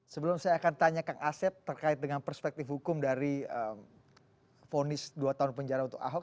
sebelum saya akan tanya kang asep terkait dengan perspektif hukum dari vonis dua tahun penjara untuk ahok